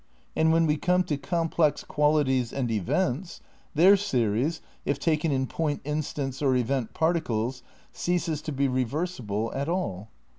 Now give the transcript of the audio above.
And when we come to complex qualities and events, their series, if taken in point instants or event par ticles, ceases to be reversible at all.